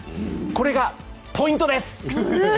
これがポイントです！